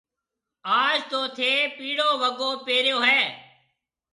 آج تو ٿَي پِيڙو وگو پيريو هيَ۔